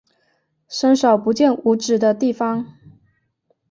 伸手不见五指的地方